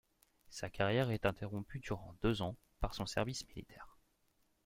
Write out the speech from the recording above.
Sa carrière est interrompue durant deux ans par son service militaire.